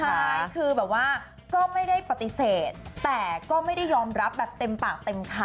ใช่คือแบบว่าก็ไม่ได้ปฏิเสธแต่ก็ไม่ได้ยอมรับแบบเต็มปากเต็มคำ